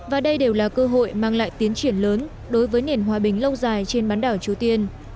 và đây đều là cơ hội mang lại tiến triển lớn đối với nền hòa bình lâu dài trên bán đảo triều tiên